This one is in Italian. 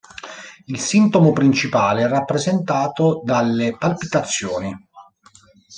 Il sintomo principale è rappresentato dalle palpitazioni.